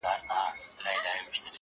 د ګیدړ په باټو ډېر په ځان غره سو-